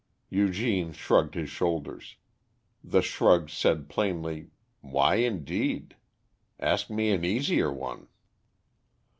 Eugène shrugged his shoulders. The shrug said plainly, "Why, indeed? Ask me an easier one."